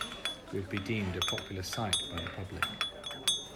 would be deemed a popular site by the public.